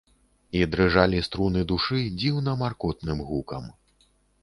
І дрыжалі струны душы дзіўна маркотным гукам.